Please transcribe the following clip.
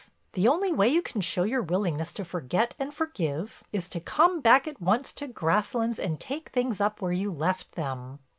The only way you can show your willingness to forget and forgive, is to come back at once to Grasslands and take things up where you left them."